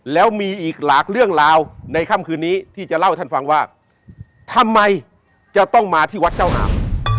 แล้วมีอีกหลากเรื่องราวในค่ำคืนนี้ที่จะเล่าให้ท่านฟังว่าทำไมจะต้องมาที่วัดเจ้าอาม